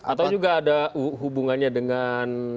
atau juga ada hubungannya dengan